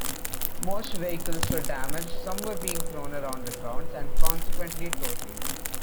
Most vehicles were damaged, some being thrown around the grounds, and consequently totaled.